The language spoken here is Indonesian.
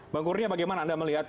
bang kurnia bagaimana anda melihat